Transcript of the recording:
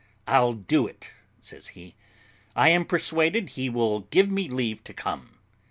"I'll do it," says he; "I am persuaded he will give me leave to come."